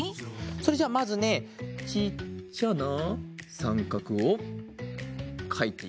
それじゃあまずねちっちゃなさんかくをかいていきます。